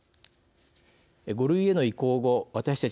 ５類への移行後私たち